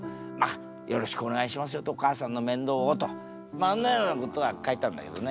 まあそんなようなことは書いたんだけどね。